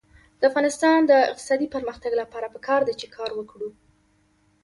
د افغانستان د اقتصادي پرمختګ لپاره پکار ده چې کار وکړو.